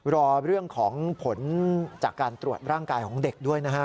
รอเรื่องของผลจากการตรวจร่างกายของเด็กด้วยนะฮะ